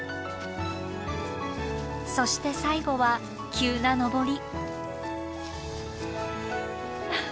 そして最後は急な登り。